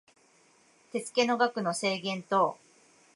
手付の額の制限等